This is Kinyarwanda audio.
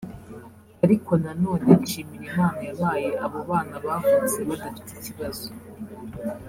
ariko nanone nshimira Imana yampaye abo bana bavutse badafite ikibazo